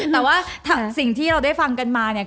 แต่ว่าสิ่งที่เราได้ฟังกันมาเนี่ย